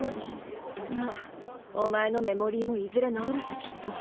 まぁお前のメモリーもいずれ治るさきっと。